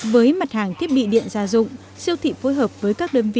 với mặt hàng thiết bị điện gia dụng siêu thị phối hợp với các đơn vị